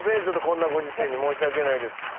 ちょっとこんなご時勢に申し訳ないです。